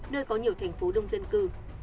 nơi có nhiều thành phố đông dân cư